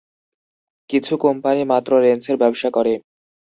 কিছু কোম্পানি মাত্র লেন্সের ব্যবসা করে।